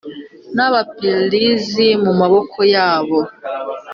n’Abaperizi mu maboko yabo,